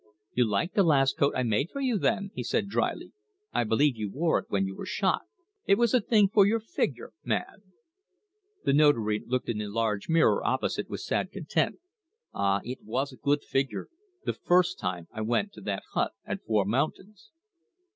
"You liked that last coat I made for you, then," he said drily; "I believe you wore it when you were shot. It was the thing for your figure, man." The Notary looked in the large mirror opposite with sad content. "Ah, it was a good figure, the first time I went to that hut at Four Mountains!"